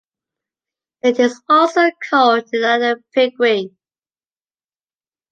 It is also called Dinapigui.